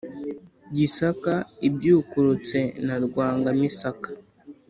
gisaka ibyukurutse na rwanga-misaka.